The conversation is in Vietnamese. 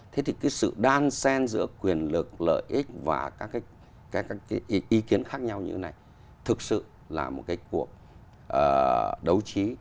thế thì cái sự đan sen giữa quyền lực lợi ích và các cái ý kiến khác nhau như thế này thực sự là một cái cuộc đấu trí